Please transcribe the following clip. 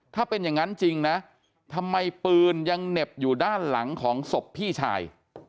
ถ้าเป็นอย่างนั้นจริงนะทำไมปืนยังเหน็บอยู่ด้านหลังของศพพี่ชาย